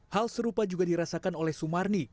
hal serupa juga dirasakan oleh sumarni